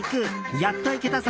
やっと行けたぞ！